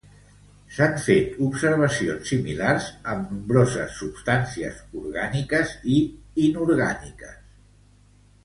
S'han fet observacions similars amb nombroses substàncies orgàniques i inorgàniques.